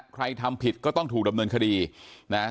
ใครทำผิดก็ต้องถูกดำเนินคดีนะฮะ